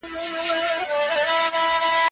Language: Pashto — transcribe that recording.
« ته به ښه سړی یې خو زموږ کلی مُلا نه نیسي»